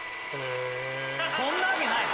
そんなわけない！